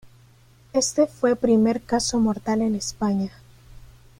Éste fue primer caso mortal en España.